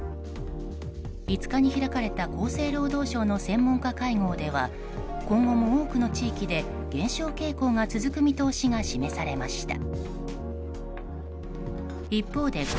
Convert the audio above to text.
５日に開かれた厚生労働省の専門家会合では今後も多くの地域で減少傾向が続く見通しが示されました。